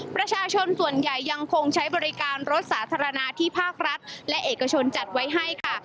ประชาชนส่วนใหญ่ยังคงใช้บริการรถสาธารณะที่ภาครัฐและเอกชนจัดไว้ให้ค่ะ